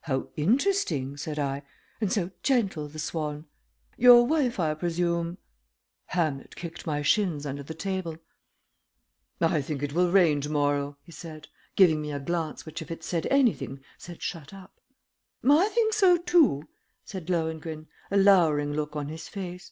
"How interesting!" said I. "And so gentle, the swan. Your wife, I presume " Hamlet kicked my shins under the table. "I think it will rain to morrow," he said, giving me a glance which if it said anything said shut up. "I think so, too," said Lohengrin, a lowering look on his face.